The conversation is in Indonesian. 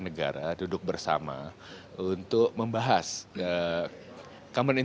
kita harus berpikir secara langsung kita harus berpikir secara langsung